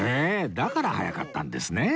だから速かったんですね